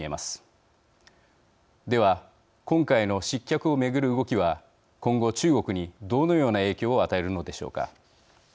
では今回の失脚を巡る動きは今後中国にどのような影響を与えるのでしょうか。